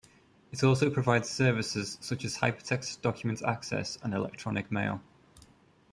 It also provides services such as hypertext document access and electronic mail.